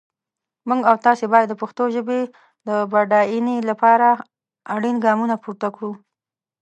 موږ او تاسي باید د پښتو ژپې د بډاینې لپاره اړین ګامونه پورته کړو.